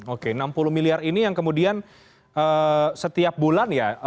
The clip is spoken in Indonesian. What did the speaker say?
oke enam puluh miliar ini yang kemudian setiap bulan ya